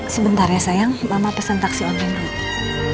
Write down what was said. sebentar ya sayang mama pesan taksi online dulu